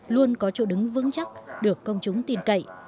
luôn có chỗ đứng vững chắc được công chúng tin cậy